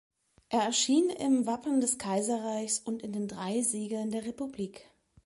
Er erschien im Wappen des Kaiserreichs und in den drei Siegeln der Republik.